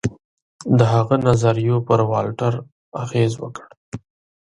د هغه نظریو پر والټر اغېز وکړ.